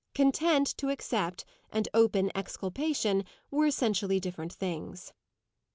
"Content to accept," and open exculpation, were essentially different things.